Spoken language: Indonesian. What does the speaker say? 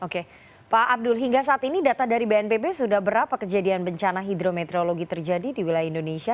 oke pak abdul hingga saat ini data dari bnpb sudah berapa kejadian bencana hidrometeorologi terjadi di wilayah indonesia